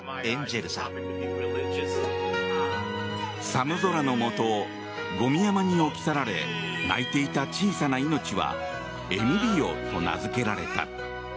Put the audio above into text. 寒空のもとゴミ山に置き去られ泣いていた小さな命はエミリオと名付けられた。